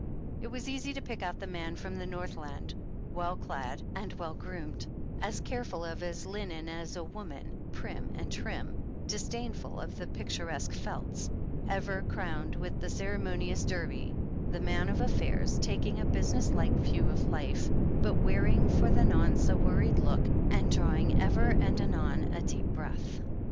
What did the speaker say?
It was easy to pick out the man from the North land, well clad and w'ell groomed, as careful of his linen as a woman, prim and trim, disdainful of the picturesque felts, ever crowned with the ceremonious derby, the man of affairs, taking a business like view of life, but wearing for the nonce a worried look and drawing ever and anon a deep breath.